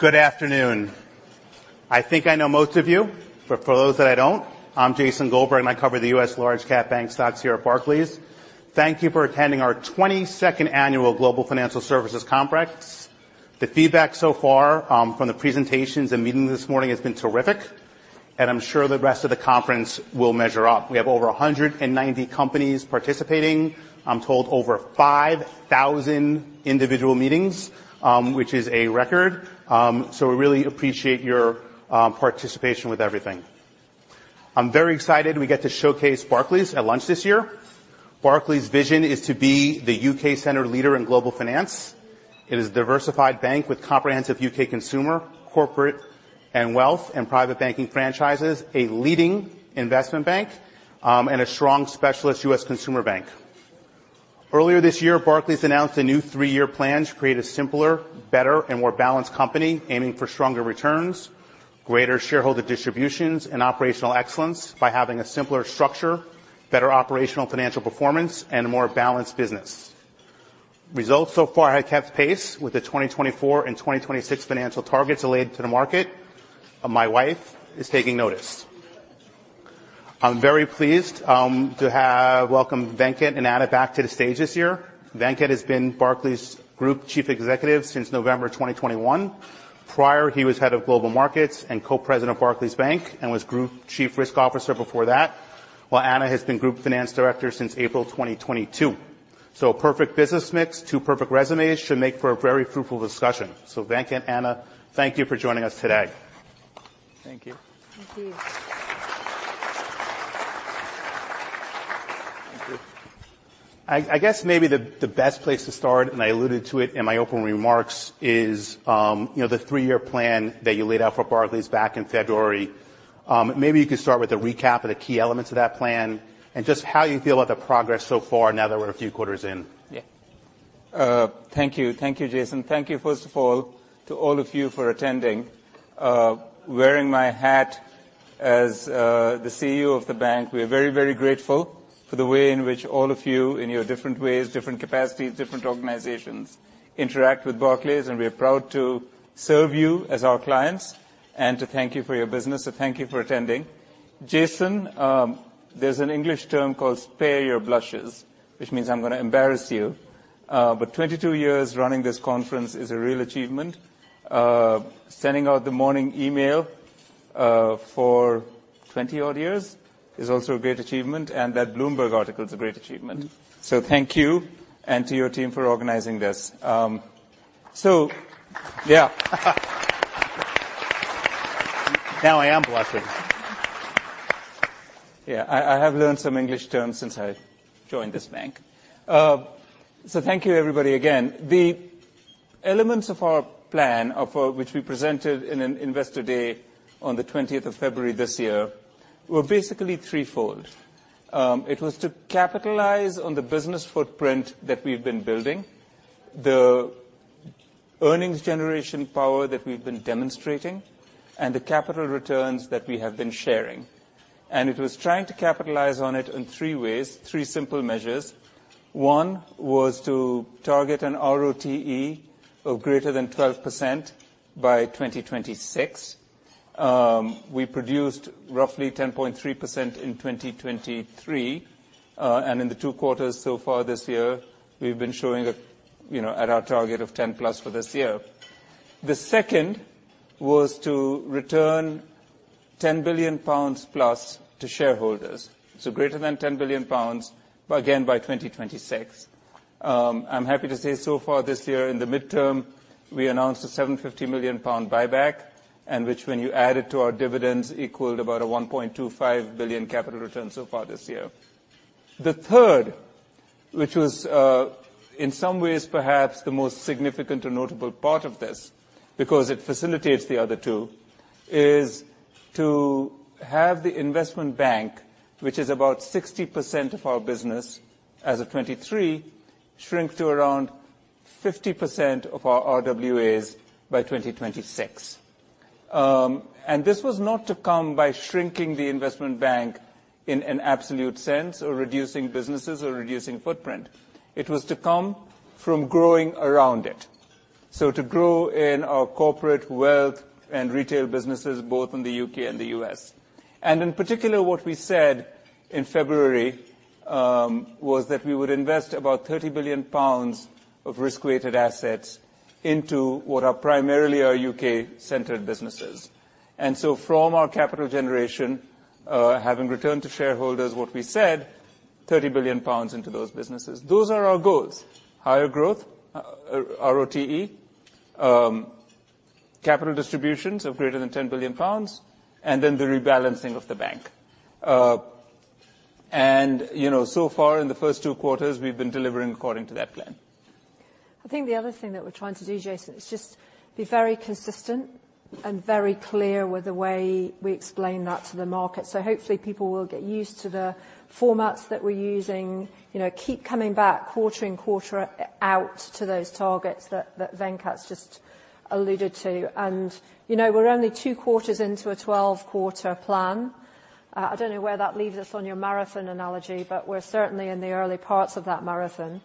Good afternoon. I think I know most of you, but for those that I don't, I'm Jason Goldberg, and I cover the U.S. large cap bank stocks here at Barclays. Thank you for attending our 22nd annual Global Financial Services Conference. The feedback so far from the presentations and meetings this morning has been terrific, and I'm sure the rest of the conference will measure up. We have over 190 companies participating. I'm told over 5,000 individual meetings, which is a record. So, we really appreciate your participation with everything. I'm very excited we get to showcase Barclays at lunch this year. Barclays' vision is to be the U.K.-centred leader in global finance. It is a diversified bank with comprehensive U.K. consumer, corporate, and wealth, and private banking franchises, a leading investment bank, and a strong specialist U.S. consumer bank. Earlier this year, Barclays announced a new three-year plan to create a simpler, better, and more balanced company, aiming for stronger returns, greater shareholder distributions, and operational excellence by having a simpler structure, better operational financial performance, and a more balanced business. Results so far have kept pace with the 2024 and 2026 financial targets relayed to the market, and my wife is taking notice. I'm very pleased to have welcomed Venkat and Anna back to the stage this year. Venkat has been Barclays Group Chief Executive since November 2021. Prior, he was Head of Global Markets and Co-President of Barclays Bank, and was Group Chief Risk Officer before that, while Anna has been Group Finance Director since April 2022. So, a perfect business mix, too perfect resumes should make for a very fruitful discussion. So, Venkat and Anna, thank you for joining us today. Thank you. Thank you. I guess maybe the best place to start, and I alluded to it in my opening remarks, is the three-year plan that you laid out for Barclays back in February. Maybe you could start with a recap of the key elements of that plan, and just how you feel about the progress so far now that we're a few quarters in. Yeah. Thank you. Thank you, Jason. Thank you, first of all, to all of you for attending. Wearing my hat as the CEO of the bank, we are very, very grateful for the way in which all of you, in your different ways, different capacities, different organizations, interact with Barclays, and we are proud to serve you as our clients and to thank you for your business, so thank you for attending. Jason, there's an English term called spare your blushes, which means I'm gonna embarrass you. But 22 years running this conference is a real achievement. Sending out the morning email for 20-odd years is also a great achievement, and that Bloomberg article is a great achievement, so thank you and to your team for organizing this. So, yeah. Now, I am blushing. Yeah, I have learned some English terms since I joined this bank. So, thank you, everybody, again. The elements of our plan of, which we presented in an investor day on the twentieth of February this year, were basically threefold. It was to capitalize on the business footprint that we've been building, the earnings generation power that we've been demonstrating, and the capital returns that we have been sharing. And it was trying to capitalize on it in three ways, three simple measures. One was to target an ROTE of greater than 12% by 2026. We produced roughly 10.3% in 2023, and in the two quarters so far this year, we've been showing at our target of 10 plus for this year. The second was to return 10 billion pounds plus to shareholders, so greater than 10 billion pounds, but again, by 2026. I'm happy to say so far this year in the midterm, we announced a 750 million pound buyback, and which, when you add it to our dividends, equaled about a 1.25 billion capital return so far this year. The third, which was, in some ways, perhaps the most significant or notable part of this because it facilitates the other two, is to have the investment bank, which is about 60% of our business as of 2023, shrink to around 50% of our RWAs by 2026. And this was not to come by shrinking the investment bank in an absolute sense or reducing businesses or reducing footprint. It was to come from growing around it. To grow in our corporate wealth and retail businesses, both in the U.K. and the US. In particular, what we said in February was that we would invest about 30 billion pounds of risk-weighted assets into what are primarily our U.K.-centered businesses. From our capital generation, having returned to shareholders what we said, 30 billion pounds into those businesses. Those are our goals: higher growth, ROTE, capital distributions of greater than 10 billion pounds, and then the rebalancing of the bank. You know, so far in the first two quarters, we've been delivering according to that plan. I think the other thing that we're trying to do, Jason, is just be very consistent and very clear with the way we explain that to the market. So, hopefully, people will get used to the formats that we're using, keep coming back quarter and quarter out to those targets that, that Venkat's just alluded to. And we're only two quarters into a twelve-quarter plan. I don't know where that leaves us on your marathon analogy, but we're certainly in the early parts of that marathon.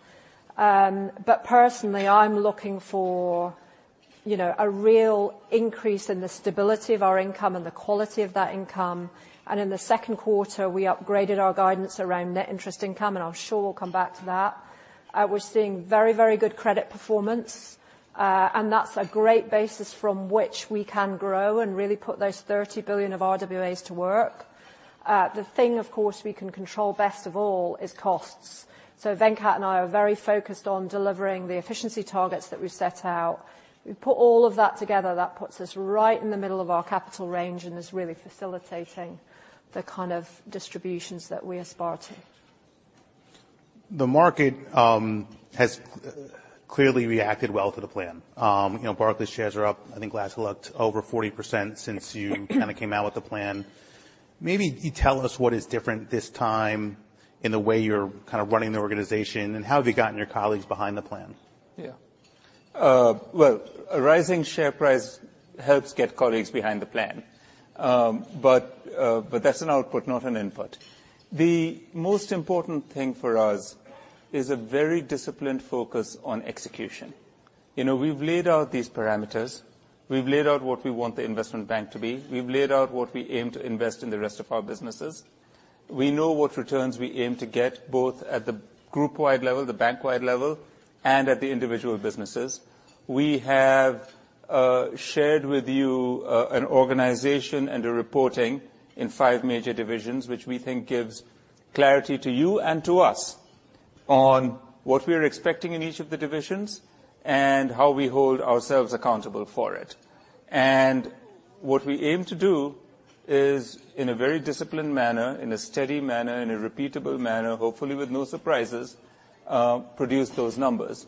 But personally, I'm looking for a real increase in the stability of our income and the quality of that income, and in the second quarter, we upgraded our guidance around net interest income, and I'm sure we'll come back to that. We're seeing very, very good credit performance, and that's a great basis from which we can grow and really put those 30 billion of RWAs to work. The thing, of course, we can control best of all is costs. So, Venkat and I are very focused on delivering the efficiency targets that we've set out. We put all of that together, that puts us right in the middle of our capital range and is really facilitating the kind of distributions that we aspire to. The market has clearly reacted well to the plan. You know, Barclays shares are up, I think, last I looked, over 40% since you kind of came out with the plan. Maybe you tell us what is different this time in the way you're kind of running the organization, and how have you gotten your colleagues behind the plan? Yeah. Well, a rising share price helps get colleagues behind the plan. But that's an output, not an input. The most important thing for us is a very disciplined focus on execution. You know, we've laid out these parameters. We've laid out what we want the investment bank to be. We've laid out what we aim to invest in the rest of our businesses. We know what returns we aim to get, both at the group-wide level, the bank-wide level, and at the individual businesses. We have shared with you an organization and a reporting in five major divisions, which we think gives clarity to you and to us on what we are expecting in each of the divisions and how we hold ourselves accountable for it. And what we aim to do is, in a very disciplined manner, in a steady manner, in a repeatable manner, hopefully with no surprises, produce those numbers.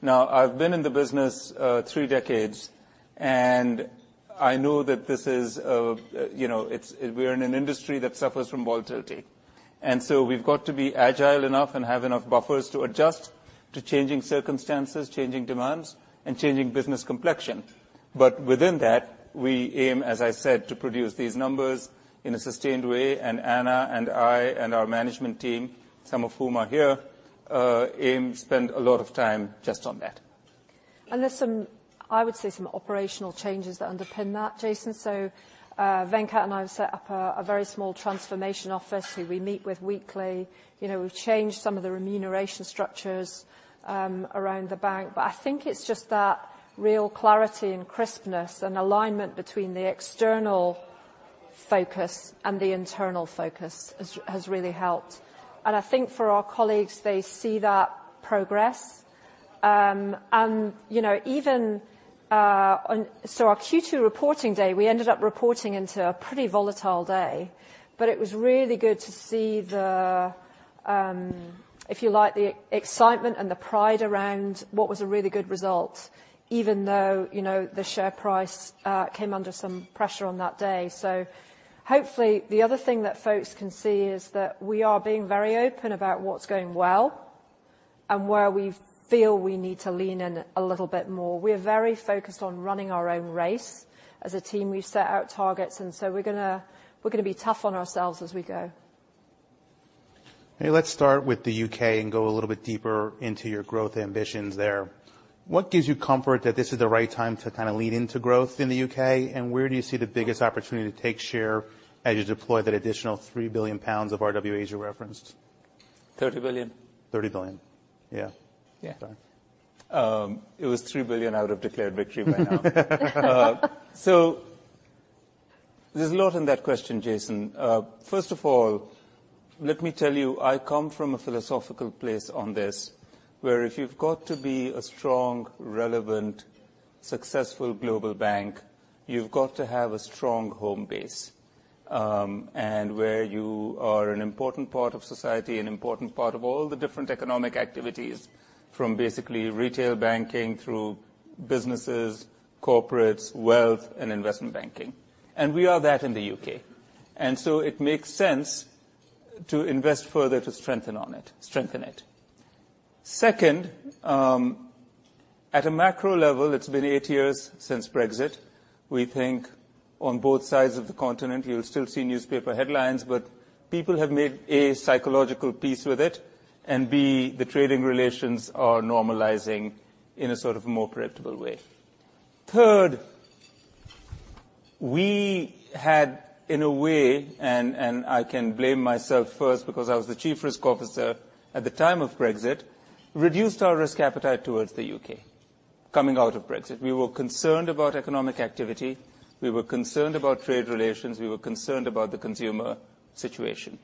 Now, I've been in the business three decades, and I know that this is we're in an industry that suffers from volatility, and so we've got to be agile enough and have enough buffers to adjust to changing circumstances, changing demands, and changing business complexion. But within that, we aim, as I said, to produce these numbers in a sustained way, and Anna and I and our management team, some of whom are here, aim to spend a lot of time just on that. And there's, I would say, some operational changes that underpin that, Jason. So, Venkat and I have set up a very small transformation office who we meet with weekly. You know, we've changed some of the remuneration structures around the bank, but I think it's just that real clarity and crispness and alignment between the external focus and the internal focus has really helped. And I think for our colleagues, they see that progress. And even so our Q2 reporting day, we ended up reporting into a pretty volatile day, but it was really good to see the, if you like, excitement and the pride around what was a really good result, even though the share price came under some pressure on that day. So, hopefully, the other thing that folks can see is that we are being very open about what's going well and where we feel we need to lean in a little bit more. We're very focused on running our own race. As a team, we've set out targets, and so we're gonna be tough on ourselves as we go. Okay, let's start with the U.K. and go a little bit deeper into your growth ambitions there. What gives you comfort that this is the right time to kind of lean into growth in the U.K., and where do you see the biggest opportunity to take share as you deploy that additional 3 billion pounds of RWAs you referenced? 30 billion. 30 billion, yeah. Yeah. If it was 3 billion, I would have declared victory by now. So, there's a lot in that question, Jason. First of all, let me tell you, I come from a philosophical place on this, where if you've got to be a strong, relevant, successful global bank, you've got to have a strong home base, and where you are an important part of society, an important part of all the different economic activities, from basically retail banking through businesses, corporates, wealth, and investment banking, and we are that in the U.K.. And so it makes sense to invest further to strengthen on it, strengthen it. Second, at a macro level, it's been eight years since Brexit. We think on both sides of the continent, you'll still see newspaper headlines, but people have made, A, psychological peace with it, and B, the trading relations are normalizing in a sort of more predictable way. Third, we had, in a way, and I can blame myself first, because I was the chief risk officer at the time of Brexit, reduced our risk appetite towards the U.K. coming out of Brexit. We were concerned about economic activity. We were concerned about trade relations. We were concerned about the consumer situation.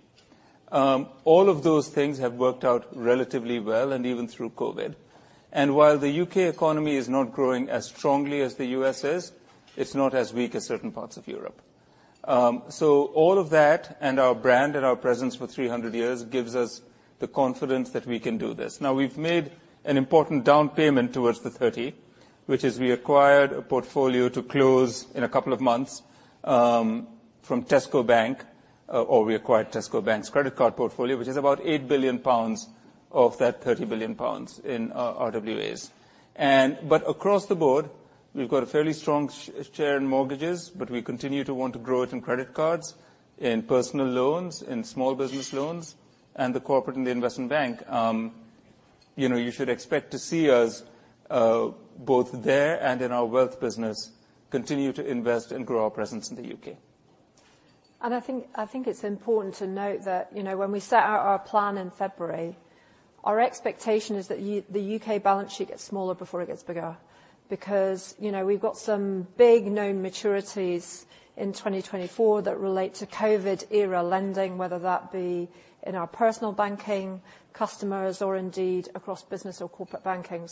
All of those things have worked out relatively well and even through COVID. And while the U.K. economy is not growing as strongly as the U.S. is, it's not as weak as certain parts of Europe. So, all of that, and our brand and our presence for 300 years, gives us the confidence that we can do this. Now, we've made an important down payment towards the 30, which is we acquired a portfolio to close in a couple of months, from Tesco Bank, or we acquired Tesco Bank's credit card portfolio, which is about 8 billion pounds of that 30 billion pounds in RWAs. And but across the board. We've got a fairly strong share in mortgages, but we continue to want to grow it in credit cards, in personal loans, in small business loans, and the corporate and the investment bank. You know, you should expect to see us, both there and in our wealth business, continue to invest and grow our presence in the U.K.. I think it's important to note that when we set out our plan in February, our expectation is that the U.K. balance sheet gets smaller before it gets bigger. Because we've got some big known maturities in 2024 that relate to COVID era lending, whether that be in our personal banking, customers, or indeed, across business or corporate banking.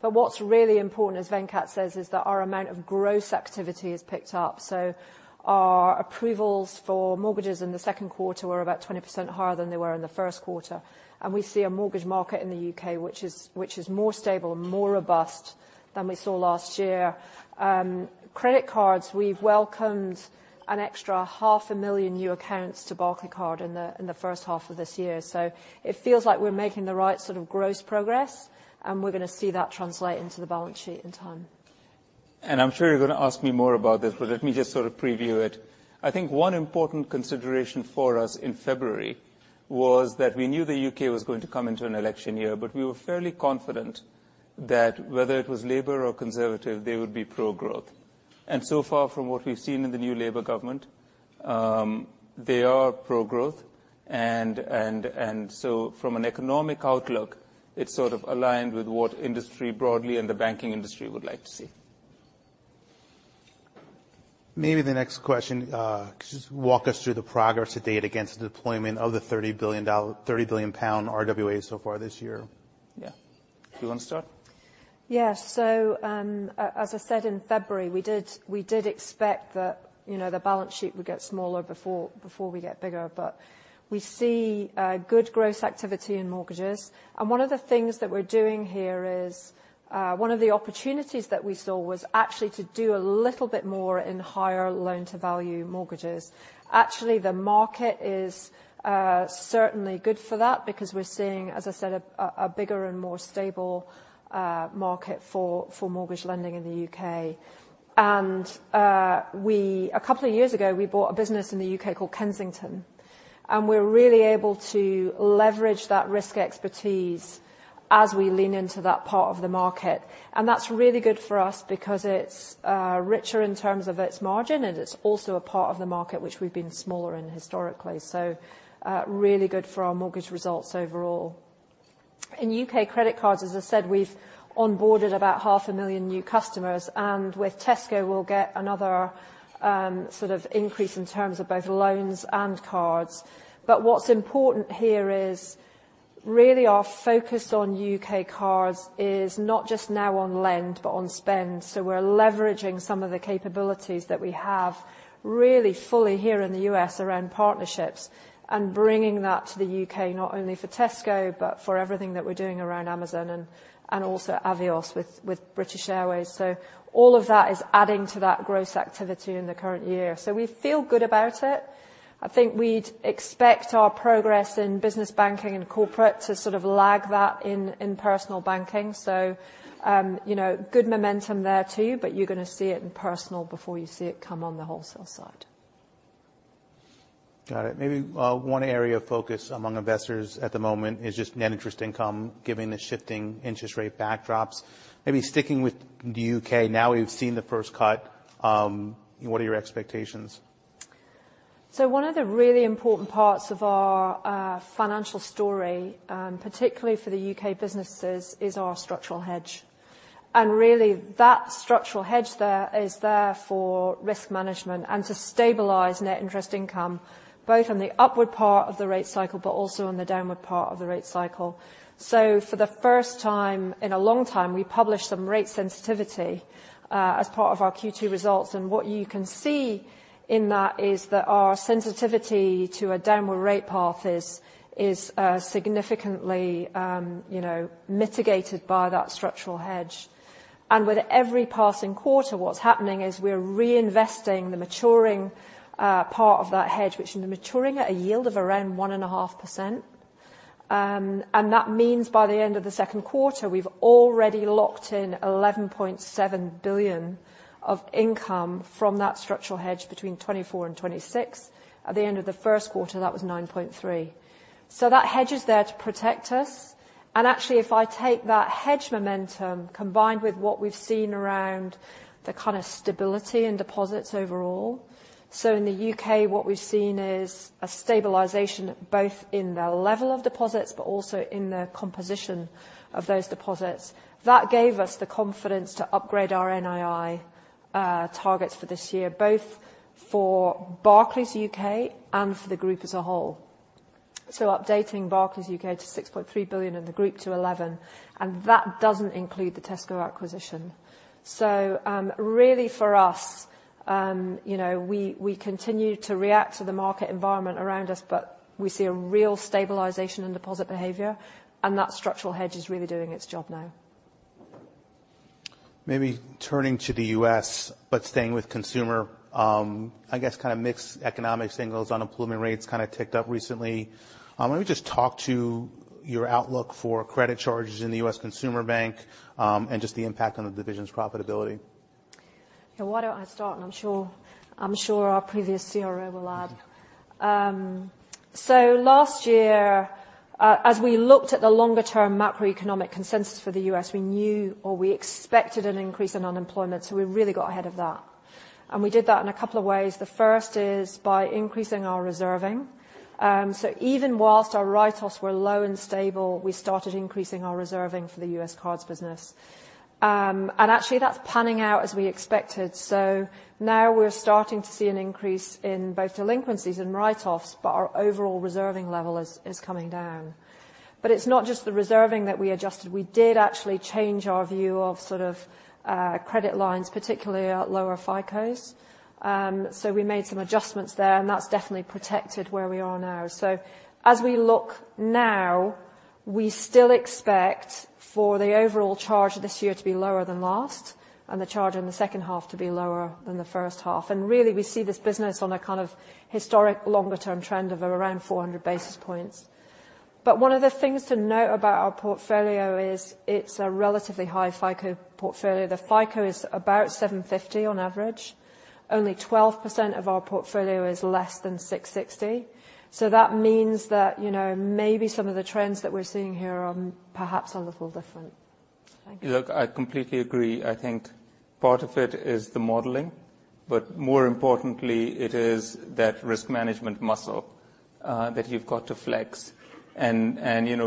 But what's really important, as Venkat says, is that our amount of gross activity has picked up. So, our approvals for mortgages in the second quarter were about 20% higher than they were in the first quarter, and we see a mortgage market in the U.K., which is more stable and more robust than we saw last year. Credit cards, we've welcomed an extra 500,000 new accounts to Barclaycard in the first half of this year. So, it feels like we're making the right sort of gross progress, and we're gonna see that translate into the balance sheet in time. And I'm sure you're gonna ask me more about this, but let me just sort of preview it. I think one important consideration for us in February was that we knew the U.K. was going to come into an election year, but we were fairly confident that whether it was Labour or Conservative, they would be pro-growth. And so from an economic outlook, it's sort of aligned with what industry broadly and the banking industry would like to see. Maybe the next question, could you just walk us through the progress to date against the deployment of the 30 billion pound RWA so far this year? Yeah. Do you wanna start? Yeah. So, as I said, in February, we did expect that the balance sheet would get smaller before we get bigger, but we see good growth activity in mortgages. And one of the things that we're doing here is one of the opportunities that we saw was actually to do a little bit more in higher loan-to-value mortgages. Actually, the market is certainly good for that because we're seeing, as I said, a bigger and more stable market for mortgage lending in the U.K.. And a couple of years ago, we bought a business in the U.K. called Kensington, and we're really able to leverage that risk expertise as we lean into that part of the market. That's really good for us because it's richer in terms of its margin, and it's also a part of the market which we've been smaller in historically, so really good for our mortgage results overall. In U.K. credit cards, as I said, we've onboarded about 500,000 new customers, and with Tesco, we'll get another sort of increase in terms of both loans and cards. But what's important here is, really our focus on U.K. cards is not just now on lend, but on spend. So, we're leveraging some of the capabilities that we have really fully here in the U.S. around partnerships and bringing that to the U.K., not only for Tesco, but for everything that we're doing around Amazon and also Avios with British Airways. So, all of that is adding to that growth activity in the current year. So, we feel good about it. I think we'd expect our progress in business banking and corporate to sort of lag that in personal banking, so, good momentum there, too, but you're gonna see it in personal before you see it come on the wholesale side. Got it. Maybe, one area of focus among investors at the moment is just net interest income, given the shifting interest rate backdrops. Maybe sticking with the U.K., now we've seen the first cut, what are your expectations? So, one of the really important parts of our financial story, particularly for the U.K. businesses, is our structural hedge. And really, that structural hedge there is there for risk management and to stabilize net interest income, both on the upward part of the rate cycle, but also on the downward part of the rate cycle. So, for the first time in a long time, we published some rate sensitivity as part of our Q2 results, and what you can see in that is that our sensitivity to a downward rate path is significantly mitigated by that structural hedge. And with every passing quarter, what's happening is we're reinvesting the maturing part of that hedge, which is maturing at a yield of around 1.5%. And that means by the end of the second quarter, we've already locked in 11.7 billion of income from that structural hedge between '24 and '26. At the end of the first quarter, that was 9.3 billion. So, that hedge is there to protect us, and actually, if I take that hedge momentum, combined with what we've seen around the kind of stability in deposits overall. So, in the U.K., what we've seen is a stabilization, both in the level of deposits, but also in the composition of those deposits. That gave us the confidence to upgrade our NII targets for this year, both for Barclays UK and for the group as a whole. So, updating Barclays UK to 6.3 billion and the group to 11 billion, and that doesn't include the Tesco acquisition. Really, for us, we continue to react to the market environment around us, but we see a real stabilization in deposit behavior, and that structural hedge is really doing its job now. Maybe turning to the U.S., but staying with consumer, I guess kind of mixed economic signals, unemployment rates kind of ticked up recently. Let me just turn to your outlook for credit charges in the U.S. Consumer Bank, and just the impact on the division's profitability? Yeah, why don't I start, and I'm sure our previous CRO will add. So, last year, as we looked at the longer-term macroeconomic consensus for the U.S., we knew or we expected an increase in unemployment, so we really got ahead of that, and we did that in a couple of ways. The first is by increasing our reserving. So, even whilst our write-offs were low and stable, we started increasing our reserving for the U.S. cards business. And actually, that's panning out as we expected. So, now we're starting to see an increase in both delinquencies and write-offs, but our overall reserving level is coming down. But it's not just the reserving that we adjusted. We did actually change our view of sort of credit lines, particularly at lower FICOs. So, we made some adjustments there, and that's definitely protected where we are now. So, as we look now, we still expect for the overall charge this year to be lower than last, and the charge in the second half to be lower than the first half. And really, we see this business on a kind of historic, longer-term trend of around 400 basis points. But one of the things to note about our portfolio is it's a relatively high FICO portfolio. The FICO is about 750 on average. Only 12% of our portfolio is less than 660. So, that means that maybe some of the trends that we're seeing here are perhaps a little different. Thank you. Look, I completely agree. I think part of it is the modeling, but more importantly, it is that risk management muscle that you've got to flex. And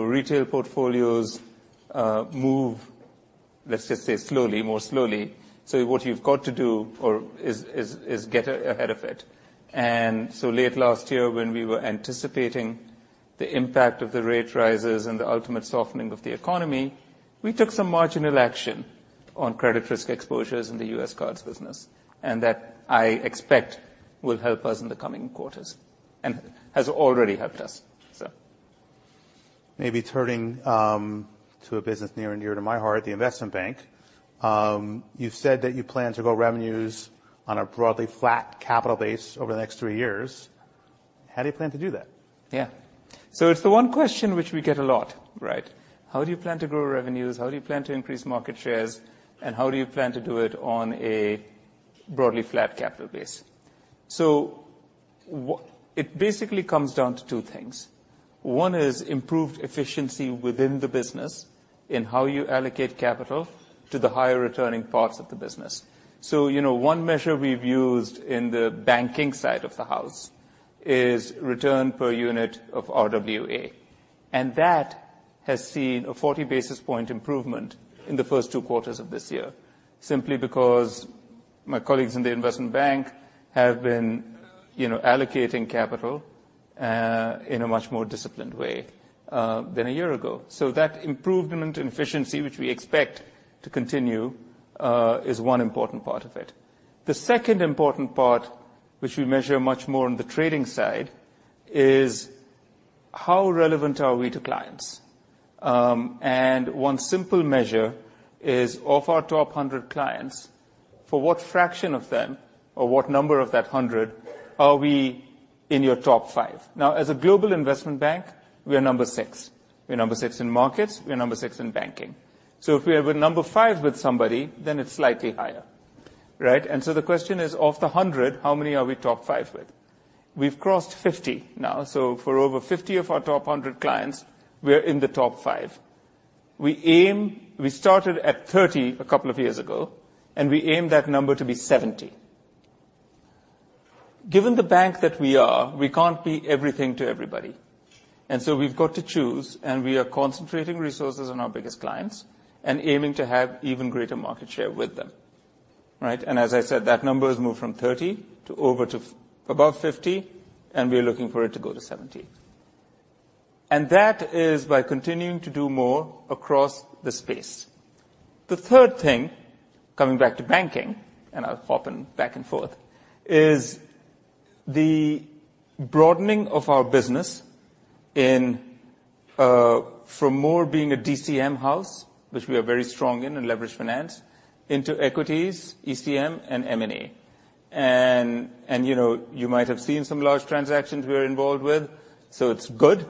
retail portfolios move, let's just say slowly, more slowly. So, what you've got to do is get ahead of it. And so late last year, when we were anticipating the impact of the rate rises and the ultimate softening of the economy, we took some marginal action on credit risk exposures in the U.S. cards business, and that I expect will help us in the coming quarters, and has already helped us, so. Maybe turning to a business near and dear to my heart, the investment bank. You've said that you plan to grow revenues on a broadly flat capital base over the next three years. How do you plan to do that? Yeah. So, it's the one question which we get a lot, right? How do you plan to grow revenues? How do you plan to increase market shares, and how do you plan to do it on a broadly flat capital base? So, it basically comes down to two things. One is improved efficiency within the business in how you allocate capital to the higher-returning parts of the business. So, one measure we've used in the banking side of the house is return per unit of RWA, and that has seen a forty basis point improvement in the first two quarters of this year, simply because my colleagues in the investment bank have been allocating capital in a much more disciplined way than a year ago. So, that improvement in efficiency, which we expect to continue, is one important part of it. The second important part, which we measure much more on the trading side, is how relevant are we to clients? And one simple measure is, of our top 100 clients, for what fraction of them or what number of that 100 are we in your top five? Now, as a global investment bank, we are number six. We're number six in markets, we're number six in banking. So, if we are number five with somebody, then it's slightly higher, right? And so the question is, of the 100, how many are we top five with? We've crossed 50 now, so for over 50 of our top 100 clients, we're in the top five. We aim, we started at 30 a couple of years ago, and we aim that number to be 70. Given the bank that we are, we can't be everything to everybody, and so we've got to choose, and we are concentrating resources on our biggest clients and aiming to have even greater market share with them, right? And as I said, that number has moved from thirty to above fifty, and we're looking for it to go to seventy. And that is by continuing to do more across the space. The third thing, coming back to banking, and I'll hop back and forth, is the broadening of our business in from more being a DCM house, which we are very strong in, in leverage finance, into equities, ECM, and M&A. And you might have seen some large transactions we're involved with, so it's good.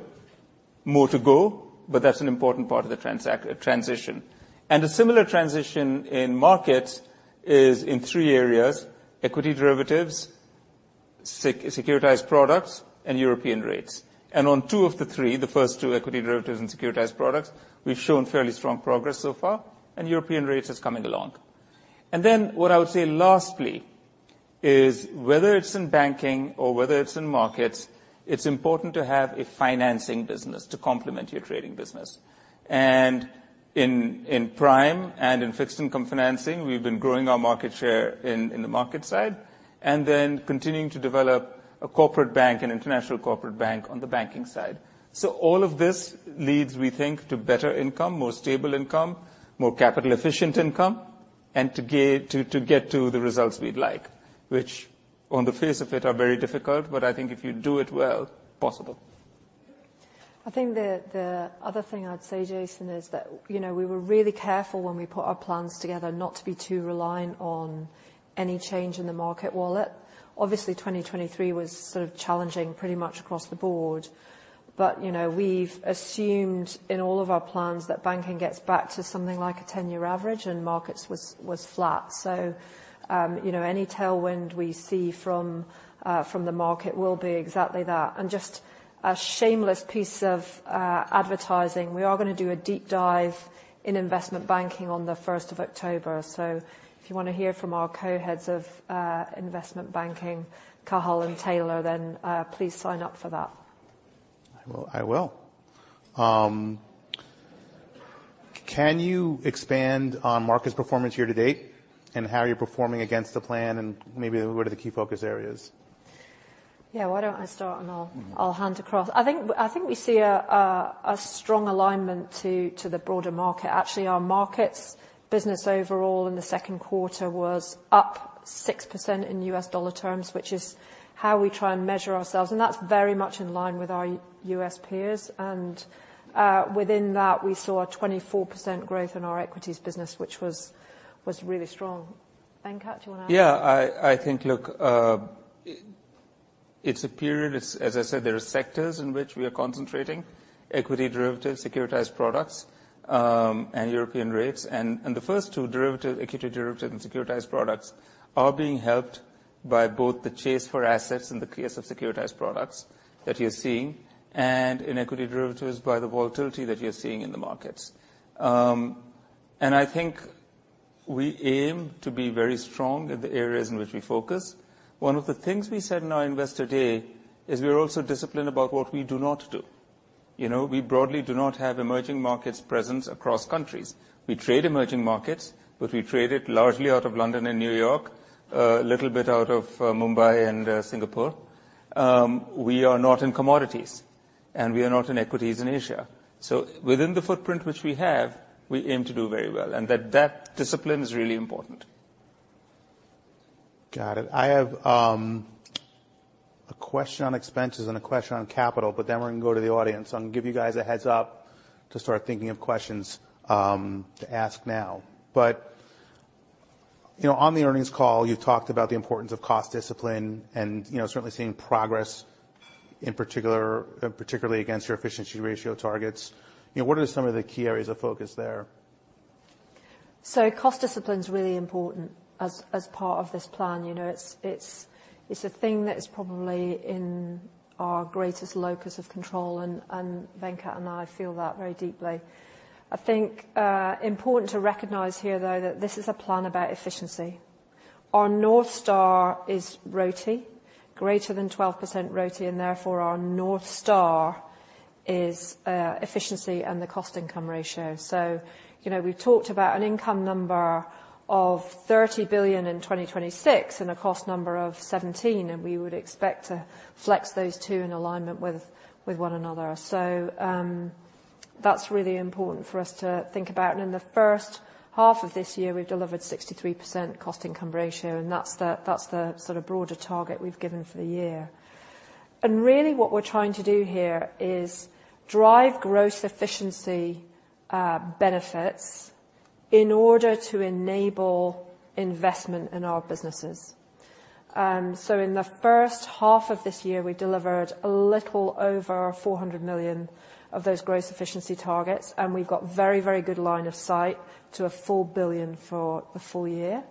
More to go, but that's an important part of the transition. A similar transition in markets is in three areas: equity derivatives, securitized products, and European rates. On two of the three, the first two, equity derivatives and securitized products, we've shown fairly strong progress so far, and European rates is coming along. What I would say lastly is whether it's in banking or whether it's in markets, it's important to have a financing business to complement your trading business. In prime and fixed income financing, we've been growing our market share in the market side, and then continuing to develop a corporate bank and international corporate bank on the banking side. So, all of this leads, we think, to better income, more stable income, more capital efficient income, and to get to the results we'd like, which, on the face of it, are very difficult, but I think if you do it well, possible. I think the other thing I'd say, Jason, is that we were really careful when we put our plans together not to be too reliant on any change in the market wallet. Obviously, 2023 was sort of challenging pretty much across the board, but we've assumed in all of our plans that banking gets back to something like a 10-year average, and markets was flat. So, any tailwind we see from the market will be exactly that. And just a shameless piece of advertising, we are gonna do a deep dive in investment banking on the first of October. So, if you wanna hear from our co-heads of investment banking, Cathal and Taylor, then please sign up for that. I will, I will. Can you expand on markets performance year to date, and how you're performing against the plan, and maybe what are the key focus areas? Yeah, why don't I start, and I'll- Mm-hmm. I'll hand across. I think we see a strong alignment to the broader market. Actually, our markets business overall in the second quarter was up 6% in US dollar terms, which is how we try and measure ourselves, and that's very much in line with our U.S. peers. Within that, we saw a 24% growth in our equities business, which was really strong. Venkat, do you wanna- Yeah, I think, look, it's a period, as I said, there are sectors in which we are concentrating: equity derivatives, securitized products, and European rates. The first two, equity derivatives and securitized products, are being helped by both the chase for assets and the case of securitized products that you're seeing, and in equity derivatives by the volatility that you're seeing in the markets. I think we aim to be very strong in the areas in which we focus. One of the things we said in our Investor Day is we are also disciplined about what we do not do. You know, we broadly do not have emerging markets presence across countries. We trade emerging markets, but we trade it largely out of London and New York, a little bit out of Mumbai and Singapore. We are not in commodities, and we are not in equities in Asia. So, within the footprint which we have, we aim to do very well, and that discipline is really important. Got it. I have a question on expenses and a question on capital, but then we're going to go to the audience. I'm going to give you guys a heads up to start thinking of questions to ask now. But on the earnings call, you talked about the importance of cost discipline and certainly seeing progress in particular, particularly against your efficiency ratio targets. You know, what are some of the key areas of focus there? So, cost discipline is really important as part of this plan. You know, it's a thing that is probably in our greatest locus of control, and Venkat and I feel that very deeply. I think important to recognize here, though, that this is a plan about efficiency. Our North Star is ROTE, greater than 12% ROTE, and therefore, our North Star is efficiency and the cost-income ratio. So, we've talked about an income number of 30 billion in 2026 and a cost number of 17, and we would expect to flex those two in alignment with one another. So, that's really important for us to think about. And in the first half of this year, we've delivered 63% cost-income ratio, and that's the sort of broader target we've given for the year. Really, what we're trying to do here is drive gross efficiency benefits in order to enable investment in our businesses. So, in the first half of this year, we delivered a little over 400 million of those gross efficiency targets, and we've got very, very good line of sight to a full 1 billion for the full year.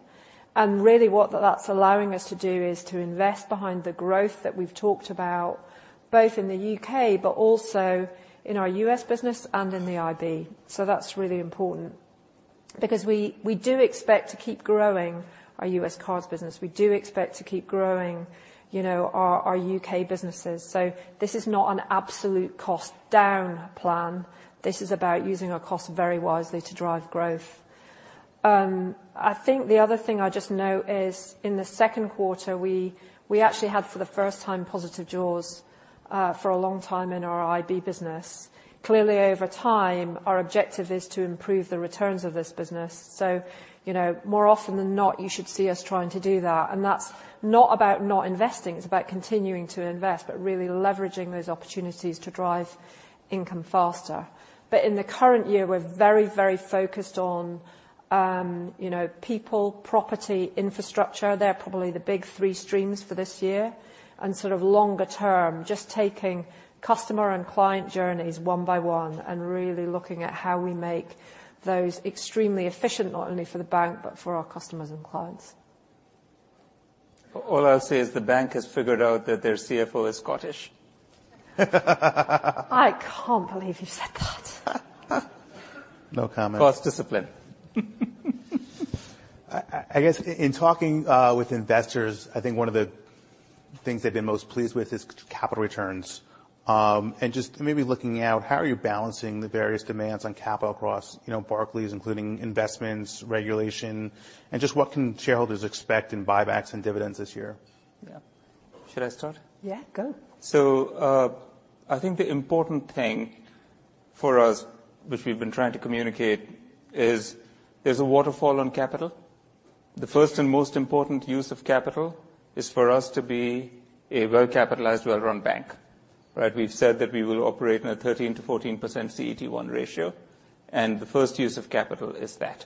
Really, what that's allowing us to do is to invest behind the growth that we've talked about, both in the U.K. but also in our U.S. business and in the IB. That's really important because we do expect to keep growing our U.S. cards business. We do expect to keep growing our U.K. businesses. This is not an absolute cost-down plan. This is about using our cost very wisely to drive growth. I think the other thing I just note is, in the second quarter, we actually had, for the first time, positive jaws, for a long time in our IB business. Clearly, over time, our objective is to improve the returns of this business. So, more often than not, you should see us trying to do that, and that's not about not investing. It's about continuing to invest, but really leveraging those opportunities to drive income faster. But in the current year, we're very, very focused on people, property, infrastructure. They're probably the big three streams for this year. And sort of longer term, just taking customer and client journeys one by one and really looking at how we make those extremely efficient, not only for the bank, but for our customers and clients. All I'll say is the bank has figured out that their CFO is Scottish. I can't believe you said that. No comment. Cost discipline. I guess in talking with investors, I think one of the things they've been most pleased with is capital returns, and just maybe looking out, how are you balancing the various demands on capital across Barclays, including investments, regulation, and just what can shareholders expect in buybacks and dividends this year? Yeah. Should I start? Yeah, go. So, I think the important thing for us, which we've been trying to communicate, is there's a waterfall on capital. The first and most important use of capital is for us to be a well-capitalized, well-run bank, right? We've said that we will operate in a 13%-14% CET1 ratio, and the first use of capital is that.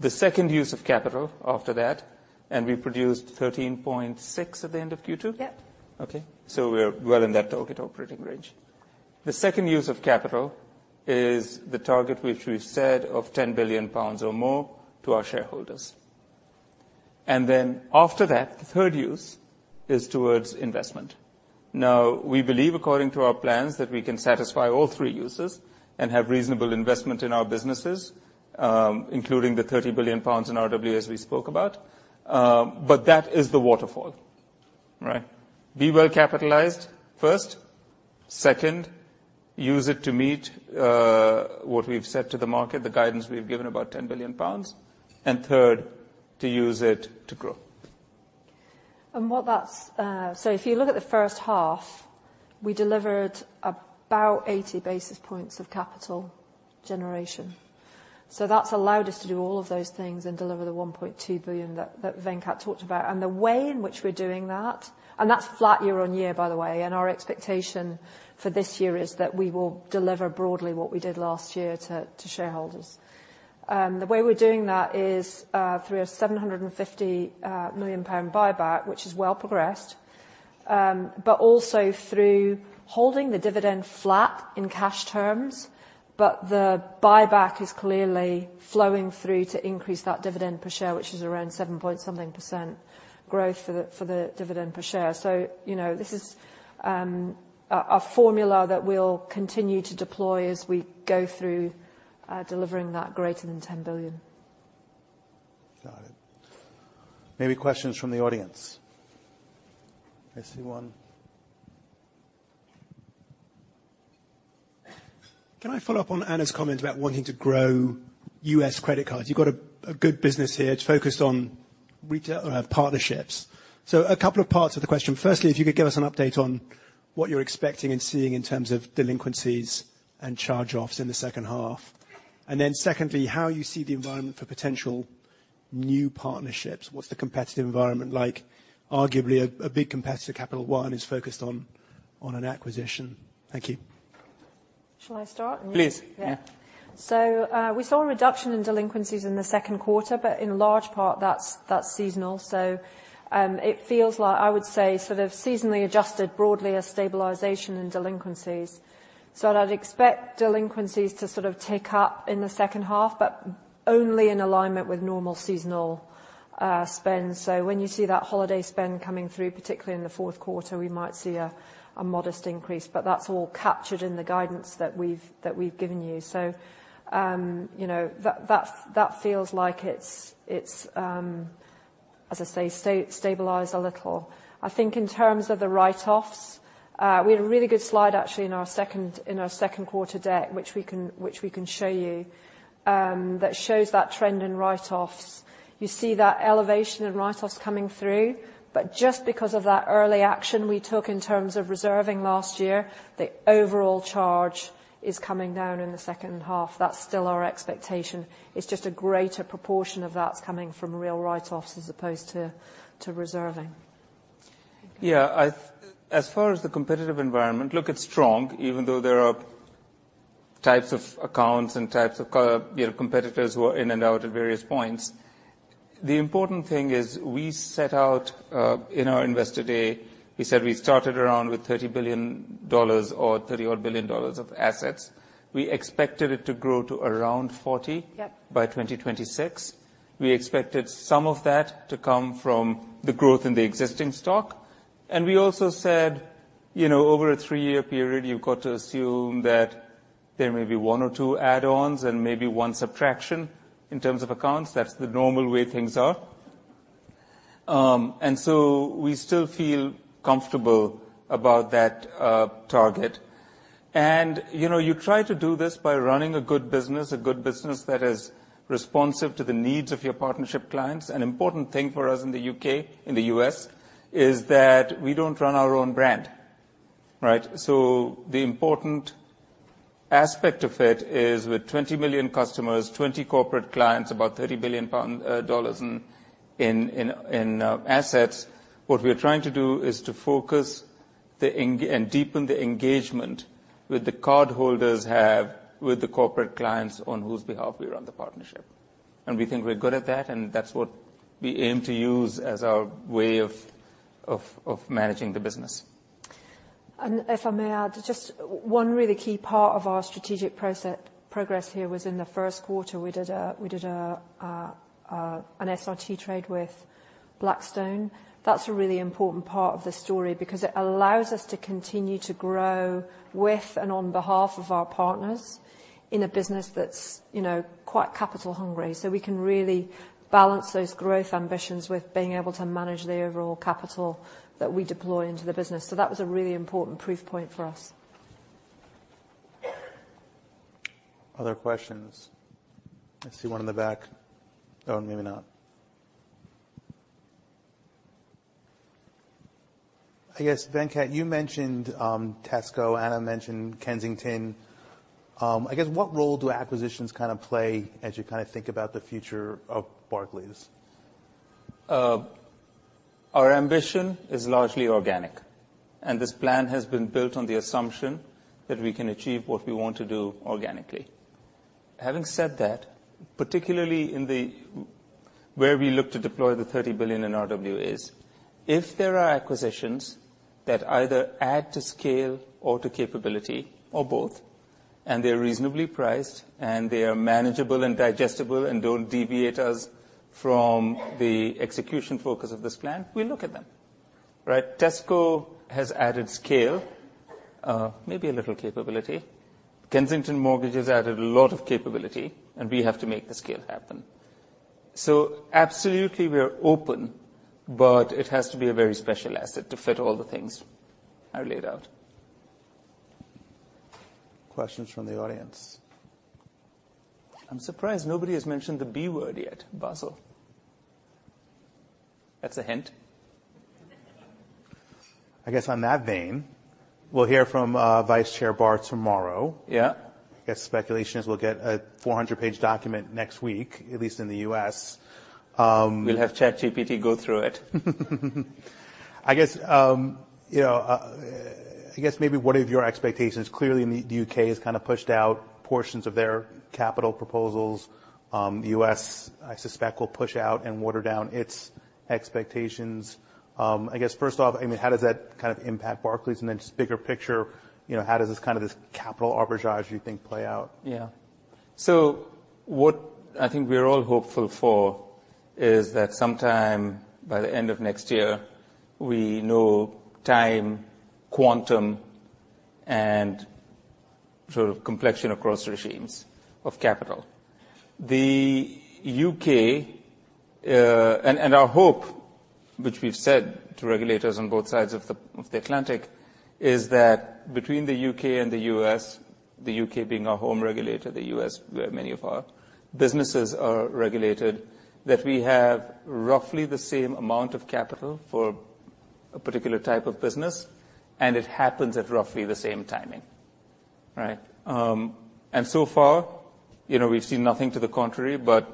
The second use of capital after that, and we produced 13.6 at the end of Q2? Yep. Okay, so we're well in that target operating range. The second use of capital is the target, which we've said of 10 billion pounds or more to our shareholders. And then after that, the third use is towards investment. Now, we believe, according to our plans, that we can satisfy all three uses and have reasonable investment in our businesses, including the 30 billion pounds in RWA, as we spoke about. But that is the waterfall, right? Be well capitalized, first. Second, use it to meet, what we've said to the market, the guidance we've given, about 10 billion pounds. And third, to use it to grow. So, if you look at the first half, we delivered about 80 basis points of capital generation. So, that's allowed us to do all of those things and deliver the 1.2 billion that, that Venkat talked about. And the way in which we're doing that. And that's flat year on year, by the way, and our expectation for this year is that we will deliver broadly what we did last year to, to shareholders. The way we're doing that is through a 750 million pound buyback, which is well progressed, but also through holding the dividend flat in cash terms. But the buyback is clearly flowing through to increase that dividend per share, which is around 7-point-something% growth for the, for the dividend per share. So, this is a formula that we'll continue to deploy as we go through delivering that greater than 10 billion. Got it. Maybe questions from the audience. I see one. Can I follow up on Anna's comment about wanting to grow U.S. credit cards? You've got a good business here. It's focused on retail partnerships. So, a couple of parts of the question. Firstly, if you could give us an update on what you're expecting and seeing in terms of delinquencies and charge-offs in the second half. And then secondly, how you see the environment for potential new partnerships. What's the competitive environment like? Arguably, a big competitor, Capital One, is focused on an acquisition. Thank you. Shall I start? Please. Yeah. Yeah. So, we saw a reduction in delinquencies in the second quarter, but in large part, that's seasonal. It feels like, I would say, sort of seasonally adjusted, broadly, a stabilization in delinquencies. I'd expect delinquencies to sort of tick up in the second half, but only in alignment with normal seasonal spend. When you see that holiday spend coming through, particularly in the fourth quarter, we might see a modest increase, but that's all captured in the guidance that we've given you. You know, that feels like it's, as I say, stabilized a little. I think in terms of the write-offs, we had a really good slide, actually, in our second quarter deck, which we can show you, that shows that trend in write-offs. You see that elevation in write-offs coming through, but just because of that early action we took in terms of reserving last year, the overall charge is coming down in the second half. That's still our expectation. It's just a greater proportion of that's coming from real write-offs as opposed to reserving. Yeah. As far as the competitive environment, look, it's strong, even though there are types of accounts and types of competitors who are in and out at various points. The important thing is we set out in our Investor Day; we said we started around with $30 billion or $30-odd billion of assets. We expected it to grow to around 40. Yep By 2026. We expected some of that to come from the growth in the existing stock, and we also said, over a three-year period, you've got to assume that there may be one or two add-ons and maybe one subtraction in terms of accounts. That's the normal way things are. And so we still feel comfortable about that target. And you try to do this by running a good business, a good business that is responsive to the needs of your partnership clients. An important thing for us in the U.K., in the U.S., is that we don't run our own brand, right? The important aspect of it is, with 20 million customers, 20 corporate clients, about $30 billion in assets, what we are trying to do is to focus and deepen the engagement with the cardholders have with the corporate clients on whose behalf we run the partnership. And we think we're good at that, and that's what we aim to use as our way of managing the business. And if I may add, just one really key part of our strategic progress here was, in the first quarter, we did an SRT trade with Blackstone. That's a really important part of the story because it allows us to continue to grow with and on behalf of our partners in a business that's quite capital hungry. So, we can really balance those growth ambitions with being able to manage the overall capital that we deploy into the business. So, that was a really important proof point for us. Other questions? I see one in the back. Oh, maybe not. I guess, Venkat, you mentioned Tesco. Anna mentioned Kensington. I guess what role do acquisitions kind of play as you kind of think about the future of Barclays? Our ambition is largely organic, and this plan has been built on the assumption that we can achieve what we want to do organically. Having said that, particularly in the, where we look to deploy the 30 billion in RWAs, if there are acquisitions that either add to scale or to capability or both, and they're reasonably priced, and they are manageable and digestible and don't deviate us from the execution focus of this plan, we look at them, right? Tesco has added scale, maybe a little capability. Kensington Mortgages added a lot of capability, and we have to make the scale happen. So, absolutely, we are open, but it has to be a very special asset to fit all the things I laid out. Questions from the audience. I'm surprised nobody has mentioned the B word yet, Basel. That's a hint. I guess on that vein, we'll hear from Vice Chair Barr tomorrow. Yeah. I guess speculation is we'll get a 400-page document next week, at least in the U.S. We'll have ChatGPT go through it. I guess maybe what are your expectations? Clearly, the U.K. has kind of pushed out portions of their capital proposals. The U.S., I suspect, will push out and water down its expectations. I guess first off, I mean, how does that kind of impact Barclays, and then just bigger picture how does this kind of capital arbitrage, do you think, play out? Yeah. So, what I think we're all hopeful for is that sometime by the end of next year, we know the timing, quantum, and sort of complexion across regimes of capital. The U.K., and our hope, which we've said to regulators on both sides of the Atlantic, is that between the U.K. and the U.S., the U.K. being our home regulator, the U.S., where many of our businesses are regulated, that we have roughly the same amount of capital for a particular type of business, and it happens at roughly the same timing. Right? And so far, we've seen nothing to the contrary, but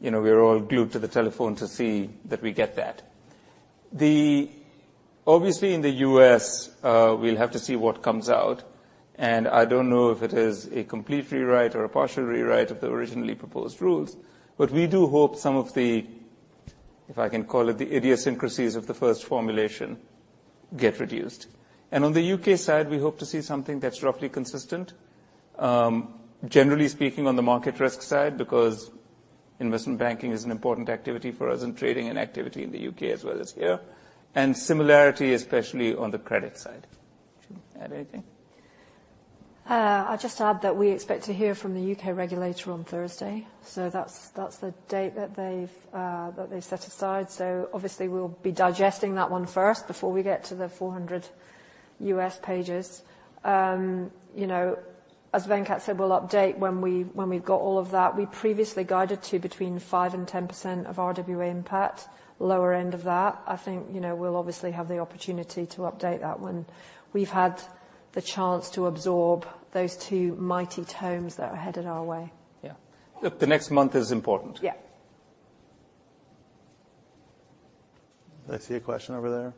we're all glued to the telephone to see that we get that. The obviously, in the U.S., we'll have to see what comes out, and I don't know if it is a complete rewrite or a partial rewrite of the originally proposed rules, but we do hope some of the, if I can call it, the idiosyncrasies of the first formulation get reduced, and on the U.K. side, we hope to see something that's roughly consistent, generally speaking, on the market risk side, because investment banking is an important activity for us, and trading and activity in the U.K. as well as here, and similarity, especially on the credit side. Do you want to add anything? I'll just add that we expect to hear from the U.K. regulator on Thursday, so that's the date that they've set aside. So, obviously, we'll be digesting that one first before we get to the 400 US pages. You know, as Venkat said, we'll update when we've got all of that. We previously guided to between 5% and 10% of RWA impact. Lower end of that, I think, we'll obviously have the opportunity to update that when we've had the chance to absorb those two mighty tomes that are headed our way. Yeah. Look, the next month is important. Yeah. I see a question over there.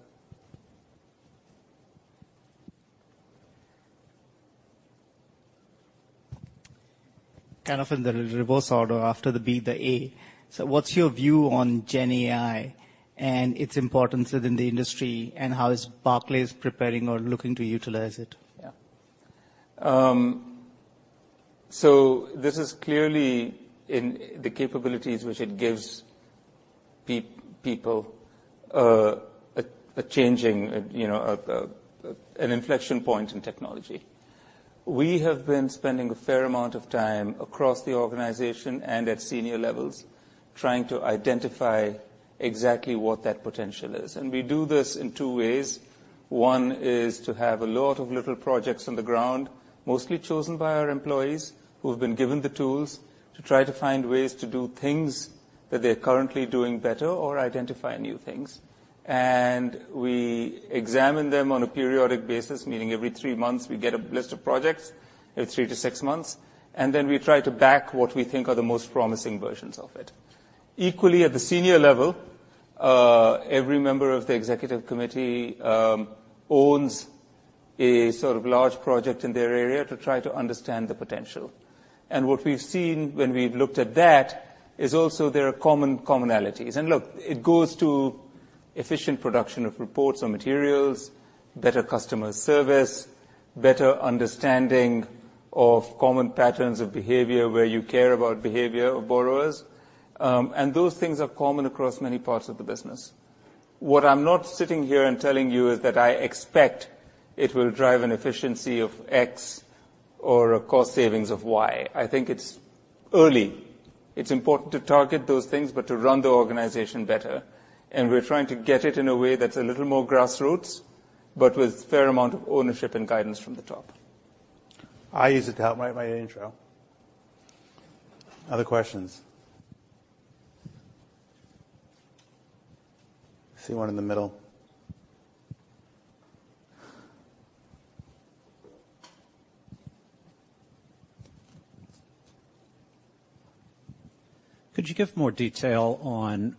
Kind of in the reverse order, after the B, the A. So, what's your view on GenAI and its importance within the industry, and how is Barclays preparing or looking to utilize it? Yeah. So, this is clearly in the capabilities which it gives people a changing an inflection point in technology. We have been spending a fair amount of time across the organization and at senior levels, trying to identify exactly what that potential is, and we do this in two ways. One is to have a lot of little projects on the ground, mostly chosen by our employees, who have been given the tools to try to find ways to do things that they're currently doing better or identify new things. And we examine them on a periodic basis, meaning every three months, we get a list of projects, every three to six months, and then we try to back what we think are the most promising versions of it. Equally, at the senior level, every member of the executive committee owns a sort of large project in their area to try to understand the potential, and what we've seen when we've looked at that is also there are commonalities, and look, it goes to efficient production of reports or materials, better customer service, better understanding of common patterns of behavior, where you care about behavior of borrowers, and those things are common across many parts of the business. What I'm not sitting here and telling you is that I expect it will drive an efficiency of X or a cost savings of Y. I think it's early. It's important to target those things, but to run the organization better, and we're trying to get it in a way that's a little more grassroots, but with fair amount of ownership and guidance from the top. I use it to help write my intro. Other questions? I see one in the middle. Could you give more detail on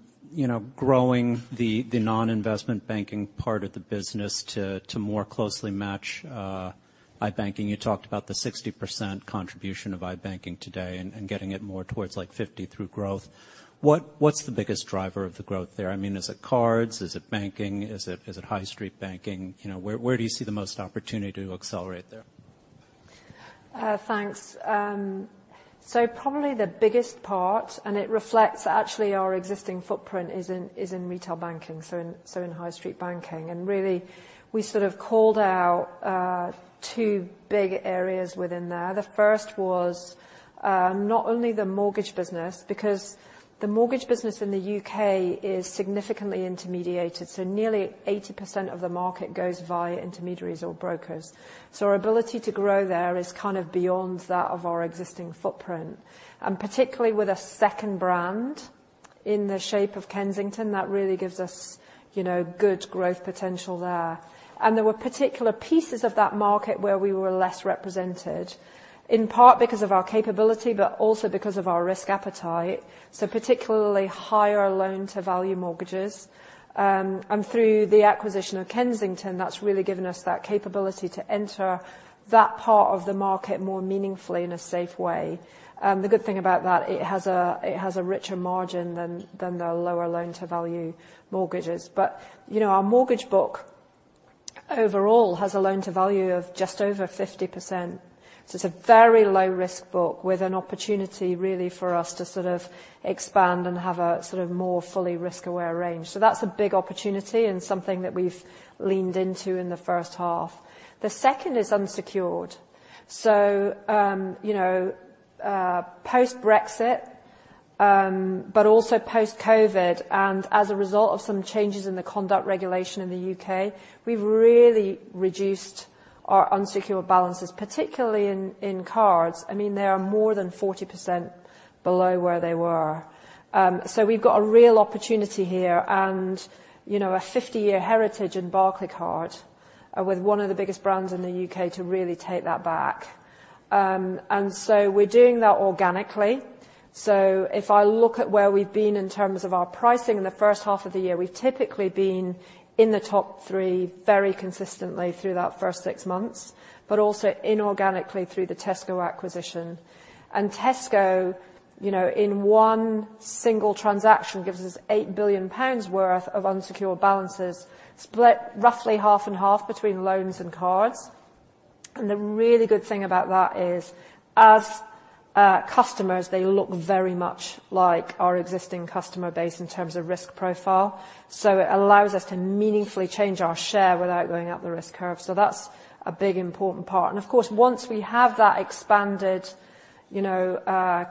growing the non-investment banking part of the business to more closely match I-Banking? You talked about the 60% contribution of I-Banking today and getting it more towards, like, 50% through growth. What's the biggest driver of the growth there? I mean, is it cards? Is it banking? Is it high street banking? You know, where do you see the most opportunity to accelerate there? Thanks. So, probably the biggest part, and it reflects actually our existing footprint, is in retail banking, so in high street banking. And really, we sort of called out two big areas within there. The first was not only the mortgage business, because the mortgage business in the U.K. is significantly intermediated, so nearly 80% of the market goes via intermediaries or brokers. So, our ability to grow there is kind of beyond that of our existing footprint, and particularly with a second brand in the shape of Kensington, that really gives us good growth potential there. And there were particular pieces of that market where we were less represented, in part because of our capability, but also because of our risk appetite, so particularly higher loan-to-value mortgages. And through the acquisition of Kensington, that's really given us that capability to enter that part of the market more meaningfully in a safe way. And the good thing about that, it has a richer margin than the lower loan-to-value mortgages. But, our mortgage book, overall, has a loan-to-value of just over 50%. So, it's a very low risk book with an opportunity, really, for us to sort of expand and have a sort of more fully risk-aware range. So, that's a big opportunity, and something that we've leaned into in the first half. The second is unsecured. So, post-Brexit, but also post-COVID, and as a result of some changes in the conduct regulation in the U.K., we've really reduced our unsecured balances, particularly in cards. I mean, they are more than 40% below where they were. So, we've got a real opportunity here and a 50-year heritage in Barclaycard, with one of the biggest brands in the U.K., to really take that back. And so we're doing that organically. So, if I look at where we've been in terms of our pricing in the first half of the year, we've typically been in the top three very consistently through that first six months, but also inorganically through the Tesco acquisition. And Tesco in one single transaction, gives us 8 billion pounds worth of unsecured balances, split roughly half and half between loans and cards. And the really good thing about that is, as customers, they look very much like our existing customer base in terms of risk profile, so it allows us to meaningfully change our share without going up the risk curve. So, that's a big, important part. And of course, once we have that expanded,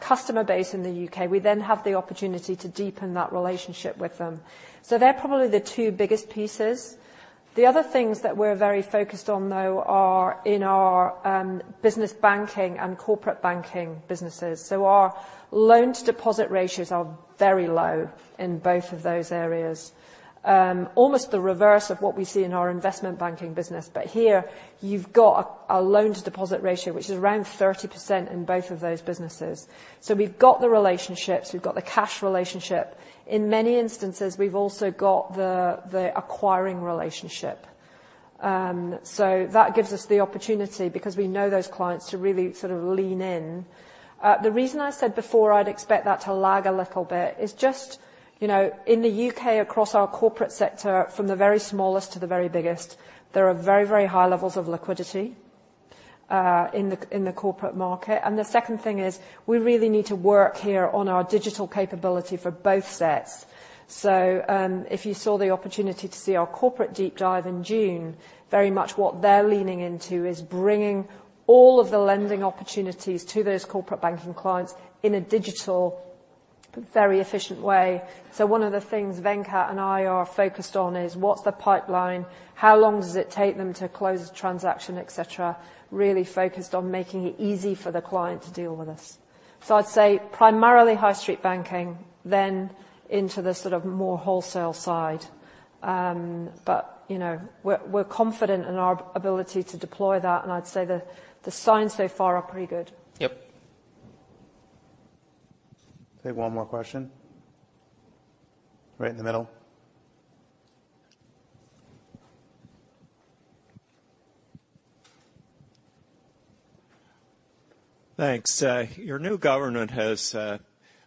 customer base in the U.K., we then have the opportunity to deepen that relationship with them. So, they're probably the two biggest pieces. The other things that we're very focused on, though, are in our business banking and corporate banking businesses. So, our loan-to-deposit ratios are very low in both of those areas. Almost the reverse of what we see in our investment banking business. But here, you've got a loan-to-deposit ratio, which is around 30% in both of those businesses. So, we've got the relationships, we've got the cash relationship. In many instances, we've also got the acquiring relationship. So, that gives us the opportunity, because we know those clients, to really sort of lean in. The reason I said before I'd expect that to lag a little bit is just in the U.K., across our corporate sector, from the very smallest to the very biggest, there are very, very high levels of liquidity in the corporate market. And the second thing is, we really need to work here on our digital capability for both sets. So, if you saw the opportunity to see our corporate deep dive in June, very much what they're leaning into is bringing all of the lending opportunities to those corporate banking clients in a digital, very efficient way. So, one of the things Venkat and I are focused on is: what's the pipeline? How long does it take them to close a transaction, et cetera? Really focused on making it easy for the client to deal with us. So, I'd say primarily high street banking, then into the sort of more wholesale side. But we're confident in our ability to deploy that, and I'd say the signs so far are pretty good. Yep. Take one more question. Right in the middle. Thanks. Your new government has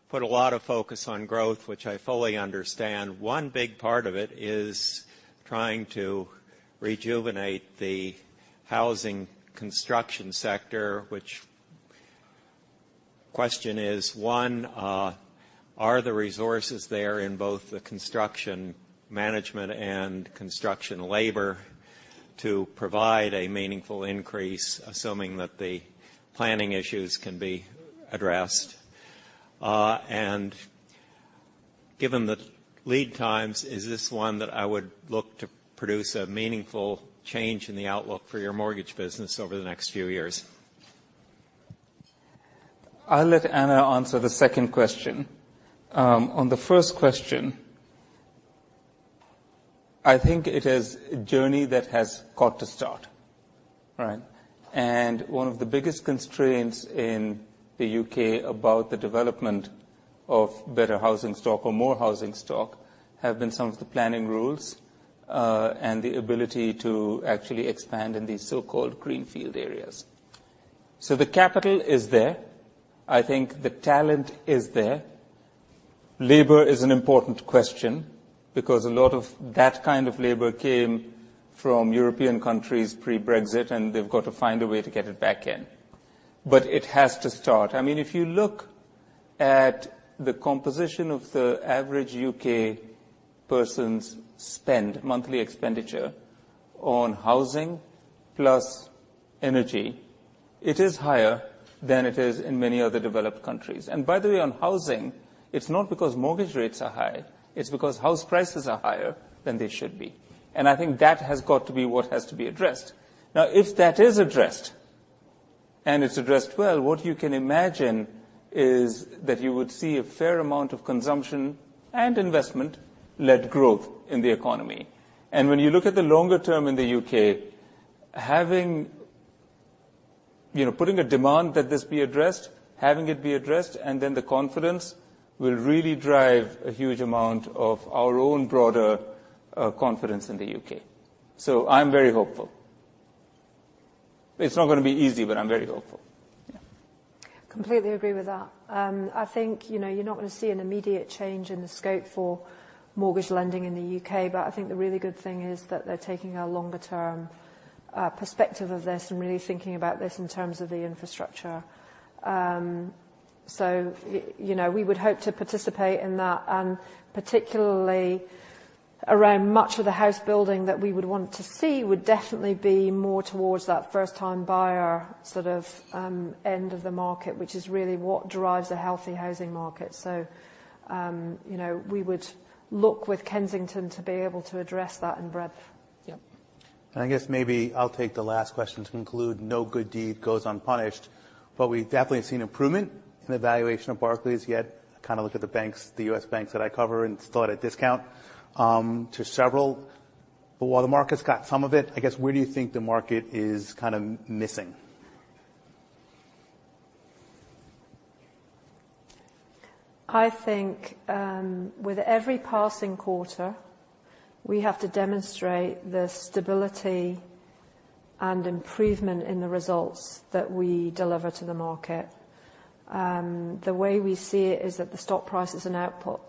put a lot of focus on growth, which I fully understand. One big part of it is trying to rejuvenate the housing construction sector, which question is, one, are the resources there in both the construction management and construction labor to provide a meaningful increase, assuming that the planning issues can be addressed? And given the lead times, is this one that I would look to produce a meaningful change in the outlook for your mortgage business over the next few years? I'll let Anna answer the second question. On the first question, I think it is a journey that has got to start, right? And one of the biggest constraints in the U.K. about the development of better housing stock or more housing stock have been some of the planning rules, and the ability to actually expand in these so-called greenfield areas. So, the capital is there. I think the talent is there. Labor is an important question because a lot of that kind of labor came from European countries pre-Brexit, and they've got to find a way to get it back in. But it has to start. I mean, if you look at the composition of the average U.K. person's spend, monthly expenditure on housing plus energy, it is higher than it is in many other developed countries. By the way, on housing, it's not because mortgage rates are high, it's because house prices are higher than they should be. I think that has got to be what has to be addressed. Now, if that is addressed, and it's addressed well, what you can imagine is that you would see a fair amount of consumption and investment-led growth in the economy. When you look at the longer term in the U.K., having putting a demand that this be addressed, having it be addressed, and then the confidence will really drive a huge amount of our own broader confidence in the U.K.. I'm very hopeful. It's not gonna be easy, but I'm very hopeful. Yeah. Completely agree with that. I think you're not gonna see an immediate change in the scope for mortgage lending in the U.K. But I think the really good thing is that they're taking a longer term perspective of this and really thinking about this in terms of the infrastructure. So, we would hope to participate in that. And particularly, around much of the house building that we would want to see would definitely be more towards that first-time buyer, sort of, end of the market, which is really what drives a healthy housing market. So, we would look with Kensington to be able to address that in breadth. Yeah. I guess maybe I'll take the last question to conclude. No good deed goes unpunished, but we've definitely seen improvement in the valuation of Barclays. Yet kind of look at the banks, the U.S. banks that I cover, and still at a discount to several. While the market's got some of it, I guess, where do you think the market is kind of missing? I think, with every passing quarter, we have to demonstrate the stability and improvement in the results that we deliver to the market. The way we see it is that the stock price is an output.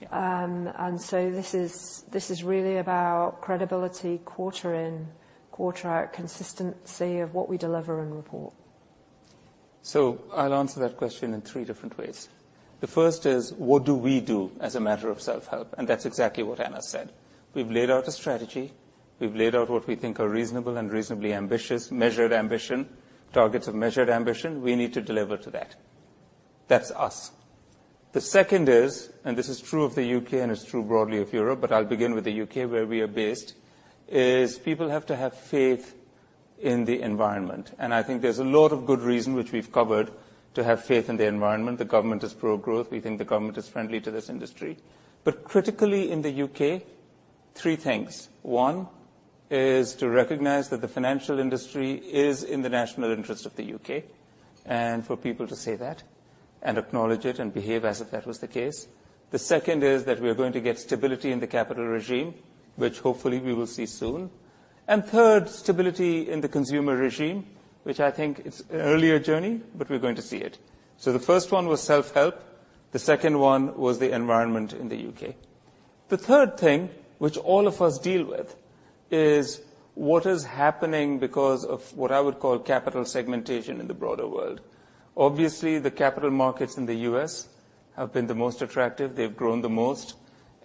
Yeah. And so this is, this is really about credibility, quarter in, quarter out, consistency of what we deliver and report. So, I'll answer that question in three different ways. The first is, what do we do as a matter of self-help? And that's exactly what Anna said. We've laid out a strategy. We've laid out what we think are reasonable and reasonably ambitious, measured ambition, targets of measured ambition. We need to deliver to that. That's us. The second is, and this is true of the U.K., and it's true broadly of Europe, but I'll begin with the U.K., where we are based, is people have to have faith in the environment. And I think there's a lot of good reason, which we've covered, to have faith in the environment. The government is pro-growth. We think the government is friendly to this industry. But critically in the U.K., three things: one is to recognize that the financial industry is in the national interest of the U.K., and for people to say that and acknowledge it and behave as if that was the case. The second is that we are going to get stability in the capital regime, which hopefully we will see soon. And third, stability in the consumer regime, which I think it's an earlier journey, but we're going to see it. So, the first one was self-help, the second one was the environment in the U.K.. The third thing, which all of us deal with, is what is happening because of what I would call capital segmentation in the broader world. Obviously, the capital markets in the U.S. have been the most attractive. They've grown the most,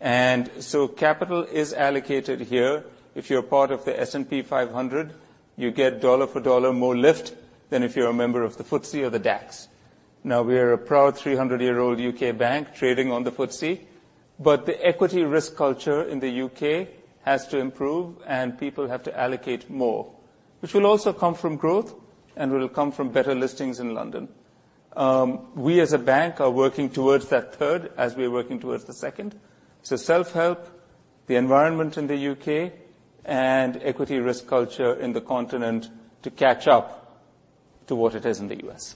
and so capital is allocated here. If you're part of the S&P 500, you get dollar for dollar more lift than if you're a member of the FTSE or the DAX. Now, we are a proud three hundred-year-old U.K. bank trading on the FTSE, but the equity risk culture in the U.K. has to improve, and people have to allocate more, which will also come from growth and will come from better listings in London. We, as a bank, are working towards that third as we're working towards the second. So, self-help, the environment in the U.K., and equity risk culture in the continent to catch up to what it is in the US.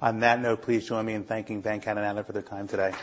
On that note, please join me in thanking Venkat and Anna for their time today.